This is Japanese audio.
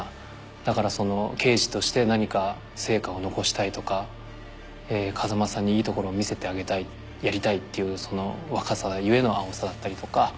だから刑事として何か成果を残したいとか風間さんにいいところを見せてやりたいっていう若さ故の青さだったりとか。